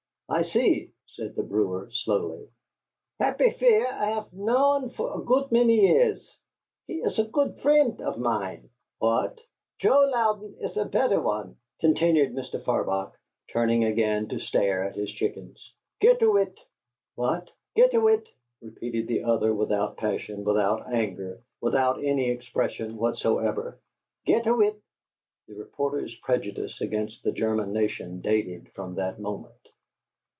"I see," said the brewer, slowly. "Happy Fear I hef knowt for a goot many years. He iss a goot frient of mine." "What?" "Choe Louten iss a bedder one," continued Mr. Farbach, turning again to stare at his chickens. "Git owit." "What?" "Git owit," repeated the other, without passion, without anger, without any expression whatsoever. "Git owit." The reporter's prejudice against the German nation dated from that moment.